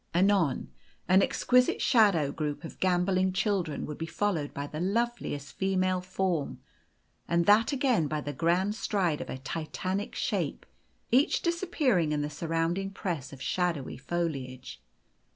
Anon an exquisite shadow group of gambolling children would be followed by the love liest female form, and that again by the grand stride of a Titanic shape, each disappearing in the surround ing press of shadowy foliage.